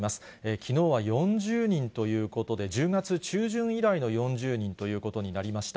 きのうは４０人ということで、１０月中旬以来の４０人ということになりました。